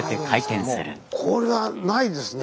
これはないですね！